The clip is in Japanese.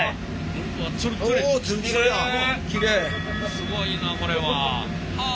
すごいなこれは。はあ。